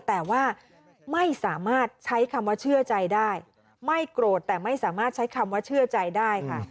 แต่ว่าไม่สามารถใช้คำว่าเชื่อใจได้ไม่โกรธแต่ไม่สามารถใช้คำว่าเชื่อใจได้ค่ะ